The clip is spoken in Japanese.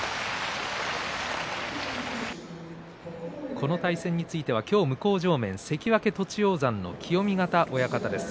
この対戦については今日、向正面は関脇栃煌山の清見潟親方です。